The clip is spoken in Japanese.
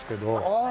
ああ。